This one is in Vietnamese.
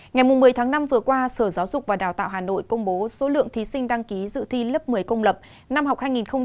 ngày một mươi tháng năm vừa qua sở giáo dục và đào tạo hà nội công bố số lượng thí sinh đăng ký dự thi lớp một mươi công lập năm học hai nghìn hai mươi hai nghìn hai mươi